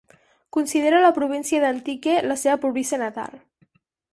Considera la província d'Antique la seva província natal.